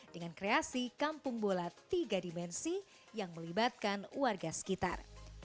dengan kreasi kampung bola tiga dimensi yang melibatkan warga sekitar